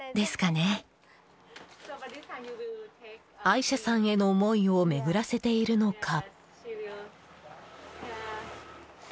アイシャさんへの思いを巡らせているのか。